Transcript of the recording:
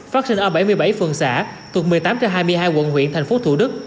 phát sinh ở bảy mươi bảy phường xã thuộc một mươi tám trên hai mươi hai quận huyện thành phố thủ đức